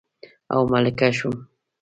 او ملکه شوم